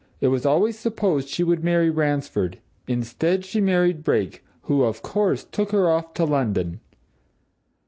It was always supposed she would marry Ransford; instead, she married Brake, who, of course, took her off to London.